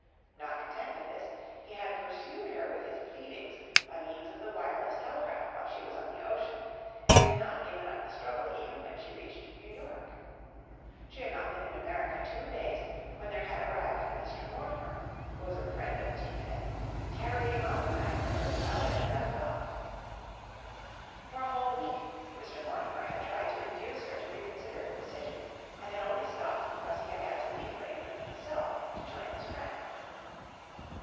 Not content with this, he had pursued her with his pleadings by means of the wireless telegraph while she was on the ocean, and had not given up the struggle even when she reached New York. She had not been in America two days when there had arrived a Mr. Mortimer, bosom friend of Mr. Bennett, carrying on the matter where the other had left off. For a whole week Mr. Mortimer had tried to induce her to reconsider her decision, and had only stopped because he had had to leave for England himself, to join his friend.